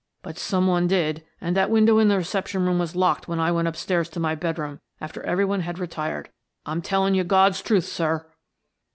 "But some one did, and that window in the reception room was locked when I went upstairs to my bedroom after every one had retired. I'm telling you God's truth, sir."